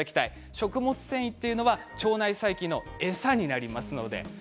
食物繊維というのは腸内細菌の餌になります。